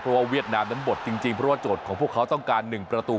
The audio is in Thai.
เพราะว่าเวียดนามนั้นบดจริงเพราะว่าโจทย์ของพวกเขาต้องการ๑ประตู